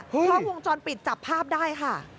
กล้องวงจรปิดจับภาพได้ค่ะ